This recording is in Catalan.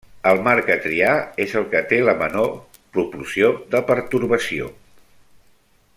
El marc a triar és el que té la menor proporció de pertorbació.